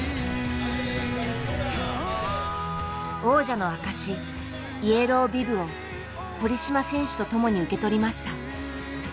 王者の証し「イエロービブ」を堀島選手と共に受け取りました。